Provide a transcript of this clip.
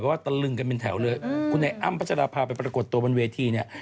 ว่าตะลึงกันเป็นแถวเลยคุณไอ้อ้ำพัชราภาไปปรากฏตัวบนเวทีเนี่ย